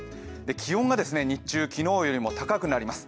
気温が日中、昨日よりも高くなります。